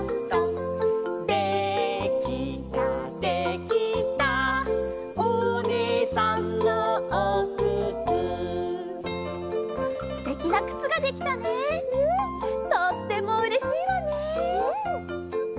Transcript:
とってもうれしいわね。